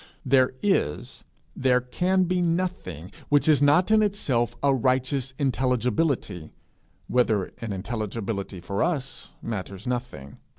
There is, there can be, nothing which is not in itself a righteous intelligibility whether an intelligibility for us, matters nothing.